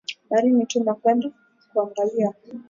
Barini tuma kwenda kuangaria muzuri ile mambo ya mpango yetu